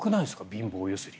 貧乏揺すり。